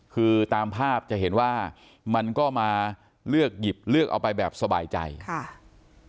คือตามภาพจะเห็นว่ามันก็มาเลือกหยิบเลือกเอาไปแบบสบายใจค่ะ